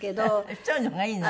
１人の方がいいの？